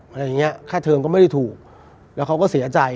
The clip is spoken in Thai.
อะไรอย่างเงี้ค่าเทิงก็ไม่ได้ถูกแล้วเขาก็เสียใจ